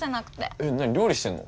えっ何料理してんの？